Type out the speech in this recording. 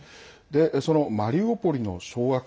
そのマリウポリの掌握